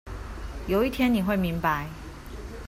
有一天你會明白